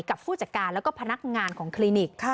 ผู้จัดการแล้วก็พนักงานของคลินิก